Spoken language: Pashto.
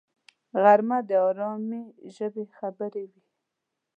غرمه د آرامي ژبې خبرې وي